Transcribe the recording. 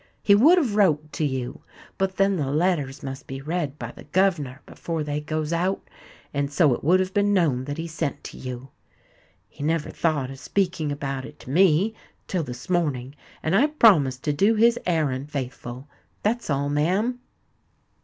He would have wrote to you, but then the letters must be read by the governor before they goes out; and so it would have been known that he sent to you. He never thought of speaking about it to me till this morning; and I promised to do his arrand faithful. That's all, ma'am."